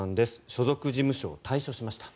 所属事務所を退所しました。